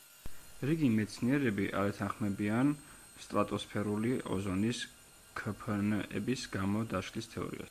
რიგი მეცნიერები არ ეთანხმებიან სტრატოსფერული ოზონის ქფნ–ების გამო დაშლის თეორიას.